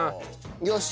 よし。